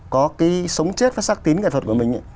có cái sống chết và sắc tín nghệ thuật của mình